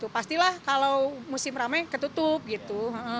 pastilah kalau musim ramai ketutup gitu